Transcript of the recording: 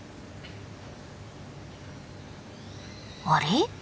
あれ？